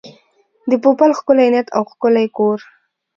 د پوپل ښکلی نیت او ښکلی کور.